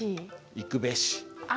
「行くべし」。